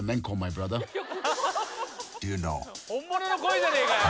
本物の声じゃねえかよ！